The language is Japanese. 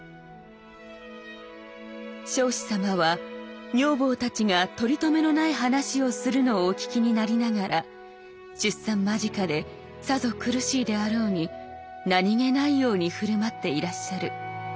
「彰子様は女房たちが取りとめのない話をするのをお聞きになりながら出産間近でさぞ苦しいであろうに何気ないように振る舞っていらっしゃる。